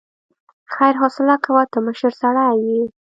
خير حوصله کوه، ته مشر سړی يې.